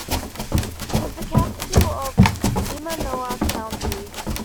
It is the capital of Limanowa County.